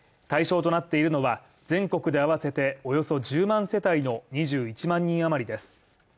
対象となっているのは全国で合わせておよそ１０万世帯の２１万人余りです。